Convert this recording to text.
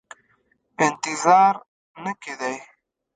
انتظار نه کېدی.